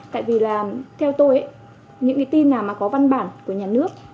tại vì là theo tôi những cái tin nào mà có văn bản của nhà nước